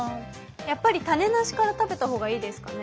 やっぱり種なしから食べた方がいいですかね。